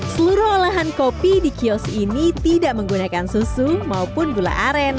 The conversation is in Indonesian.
seluruh olahan kopi di kios ini tidak menggunakan susu maupun gula aren